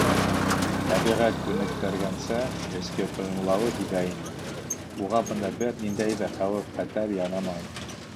Тәбиғәт күнектергәнсә, эске тойомлауы һиҙә ине: уға бында бер ниндәй ҙә хәүеф-хәтәр янамай.